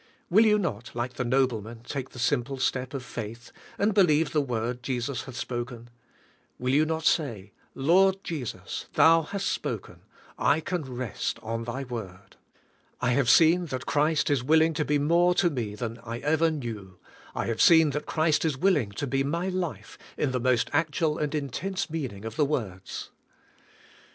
Will }^ou not, like the nobleman, take the simple step of faith, and believe the word Jesus hath spoken ? Will you not say, "Lord Jesus, Thou hast spoken : I can rest on Thy Word. I have seen that Christ is willing to be more to me than I ever knew; I have seen that Christ is willing to be my life in the most actual and intense meaning of the words."